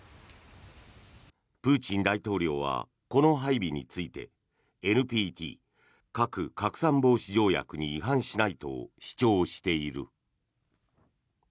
プーチン大統領はこの配備についてＮＰＴ・核拡散防止条約に違反しないと主張している。